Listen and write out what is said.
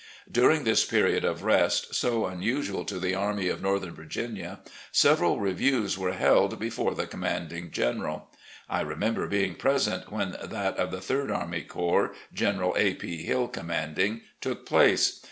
During this period of rest, so unusual to the Army of Northern Virginia, several reviews were held before the commanding general. I remember being present when that of the Third Army Corps, General A. P. Hill commanding, took place.